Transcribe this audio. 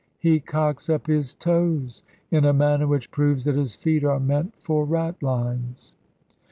He cocks up his toes, in a manner which proves that his feet are meant for ratlines.